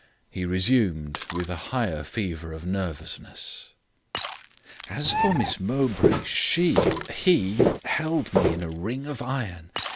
He resumed with a higher fever of nervousness: "As for Miss Mowbray, she he, held me in a ring of iron.